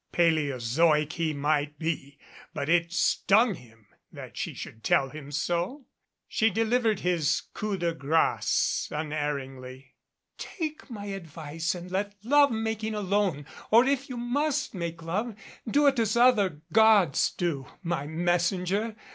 Paleozoic he might be, but it stung him that she should tell him so. She delivered his coup de grace unerringly. "Take my advice and let love making alone, or if you must make love, do it as other gods do by messenger.